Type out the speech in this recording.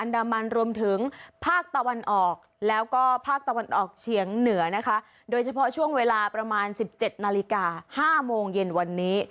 โดยเฉพาะช่วงเวลาประมาณ๑๗นาฬิกา๕โมงเย็นวันนี้